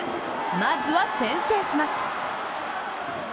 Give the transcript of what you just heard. まずは先制します。